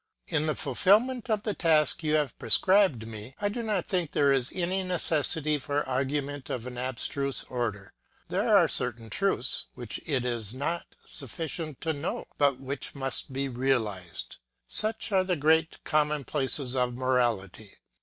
In the fulfillment of the task you have prescribed me, I do not think there is any necessity for argument of an abstruse order. There are certain truths which it is not sufficient to know, but which must be realized : such are the great commonplaces of morality.